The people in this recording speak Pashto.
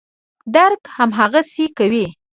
درک هماغسې کوي.